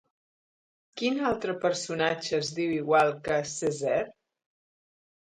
Quin altre personatge es diu igual que Cessair?